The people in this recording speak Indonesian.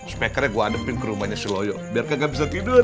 smakernya gue adepin ke rumahnya si loyo biar kagak bisa tidur